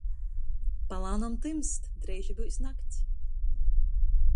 Palānom tymst, dreiži byus nakts.